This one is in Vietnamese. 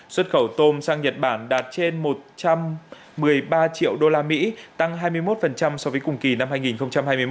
xuất khẩu tôm sang nhật bản đạt trên một trăm một mươi ba triệu usd tăng hai mươi một so với cùng kỳ năm hai nghìn hai mươi một